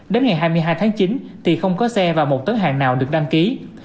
đến ngày hai mươi hai tháng chín thì không có xe và một tấn hàng nào được đăng ký